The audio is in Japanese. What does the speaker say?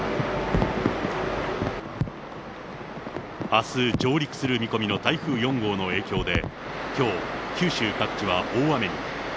あす上陸する見込みの台風４号の影響で、きょう、九州各地は大雨に。